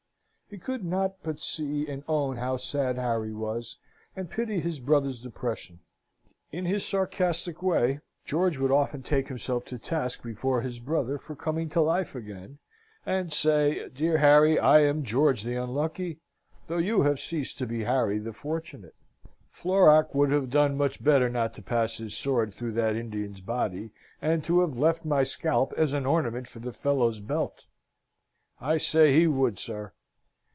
He could not but see and own how sad Harry was, and pity his brother's depression. In his sarcastic way, George would often take himself to task before his brother for coming to life again, and say, "Dear Harry, I am George the Unlucky, though you have ceased to be Harry the Fortunate. Florac would have done much better not to pass his sword through that Indian's body, and to have left my scalp as an ornament for the fellow's belt. I say he would, sir!